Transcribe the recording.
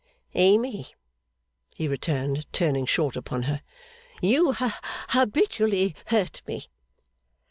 'Amy,' he returned, turning short upon her. 'You ha habitually hurt me.